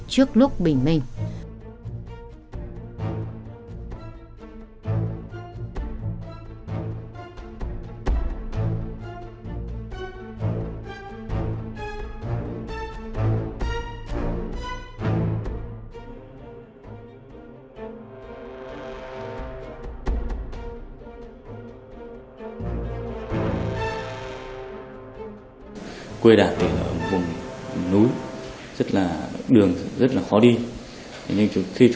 trước lúc bình minh